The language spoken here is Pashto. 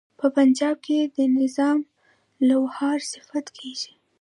په پنجاب کې د نظام لوهار صفت کیږي.